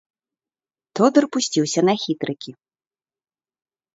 Тодар пусціўся на хітрыкі.